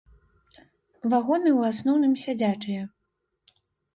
Вагоны ў асноўным сядзячыя.